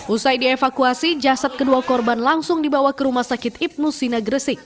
usai dievakuasi jasad kedua korban langsung dibawa ke rumah sakit ibnu sina gresik